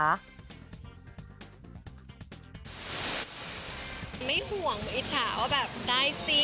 ไม่ห่วงอิจฉาว่าแบบได้สิ